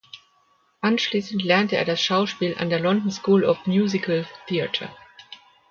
Anschließend lernte er das Schauspiel an der London School of Musical Theatre.